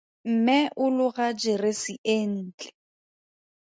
Mme o loga jeresi e ntle.